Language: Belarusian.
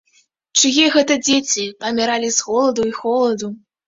Чые гэта дзеці паміралі з голаду і холаду?